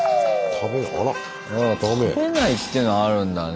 食べないっていうのあるんだね。